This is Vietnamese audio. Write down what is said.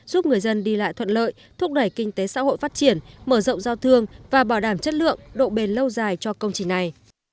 giúp người dân đi lại thuận lợi thúc đẩy kinh tế xã hội phát triển mở rộng giao thương và bảo đảm chất lượng độ bền lâu dài cho công trình này